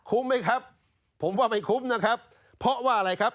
ไหมครับผมว่าไม่คุ้มนะครับเพราะว่าอะไรครับ